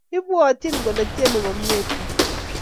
Ibwotyini kole tyeni komnyei Kim?